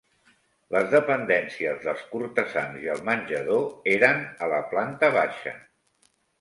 Les dependències dels cortesans i el menjador eren a la planta baixa.